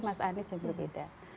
mas anies yang berbeda